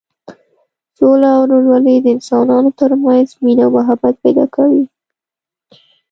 سوله او ورورولي د انسانانو تر منځ مینه او محبت پیدا کوي.